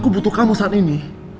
aku butuh kamu saat ini